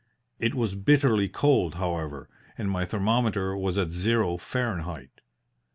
It was bitterly cold, however, and my thermometer was at zero Fahrenheit.